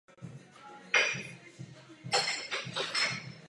Zároveň bych chtěl panu Sacconimu poděkovat za jeho práci.